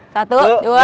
satu dua tiga